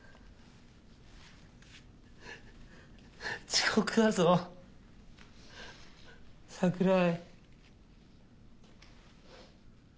遅刻だぞ桜井。